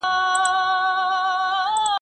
په باغ کي الو غيم، په کلي کي بِلرغو.